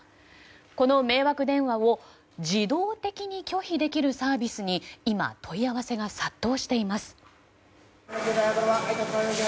この迷惑電話を自動的に拒否できるサービスに今、問い合わせが殺到しています。